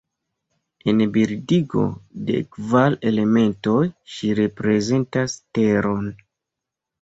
En bildigo de Kvar elementoj ŝi reprezentas Teron.